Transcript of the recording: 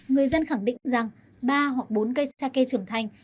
người dân khẳng định rằng ba hoặc bốn cây sake trưởng thành